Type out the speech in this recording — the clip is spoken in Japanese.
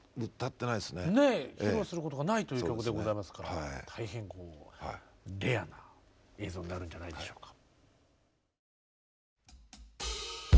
披露することがないという曲でございますから大変レアな映像になるんじゃないでしょうか。